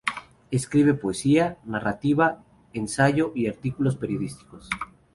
Escribe poesía, narrativa, ensayo y artículos periodísticos.